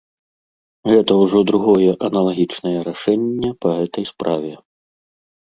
Гэта ўжо другое аналагічнае рашэнне па гэтай справе.